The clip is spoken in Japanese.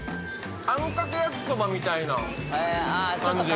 あんかけ焼きそばみたいな感じ